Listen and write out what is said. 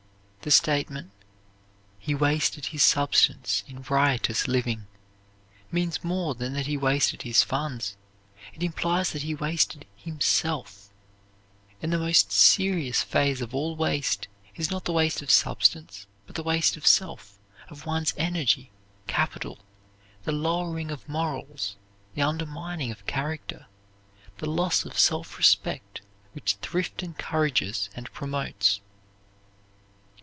The statement "he wasted his substance in riotous living" means more than that he wasted his funds. It implies that he wasted himself. And the most serious phase of all waste is not the waste of substance but the waste of self, of one's energy, capital, the lowering of morals, the undermining of character, the loss of self respect which thrift encourages and promotes.